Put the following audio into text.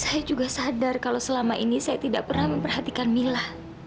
saya juga sadar kalau selama ini saya tidak pernah memperhatikan mila